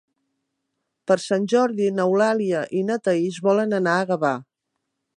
Per Sant Jordi n'Eulàlia i na Thaís volen anar a Gavà.